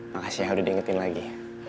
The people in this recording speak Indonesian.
makasih ya harus diingetin lagi